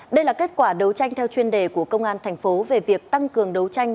đây là kết quả đấu tranh theo chuyên đề của công an thành phố về việc tăng cường đấu tranh